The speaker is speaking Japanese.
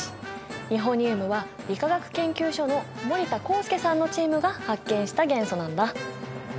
ニホニウムは理化学研究所の森田浩介さんのチームが発見した元素なんだ。